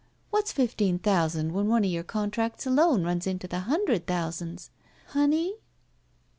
What's fifteen thousand when one of your contracts alone runs into the hundred thousands? Honey?"